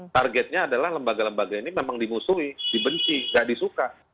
targetnya adalah lembaga lembaga ini memang dimusuhi dibenci nggak disuka